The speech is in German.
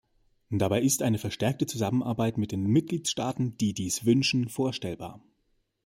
Dabei ist eine verstärkte Zusammenarbeit mit den Mitgliedstaaten, die dies wünschen, vorstellbar.